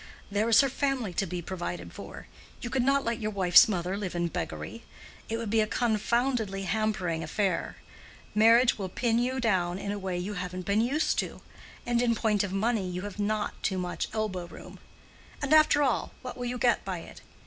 There is her family to be provided for. You could not let your wife's mother live in beggary. It will be a confoundedly hampering affair. Marriage will pin you down in a way you haven't been used to; and in point of money you have not too much elbow room. And after all, what will you get by it?